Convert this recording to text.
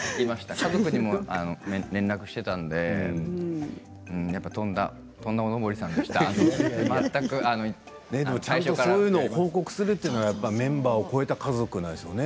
家族にも連絡していたのでちゃんとそういうのを報告するというのがメンバーを超えた家族ですよね。